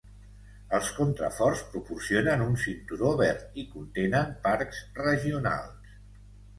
Els contraforts proporcionen un cinturó verd i contenen parcs regionals.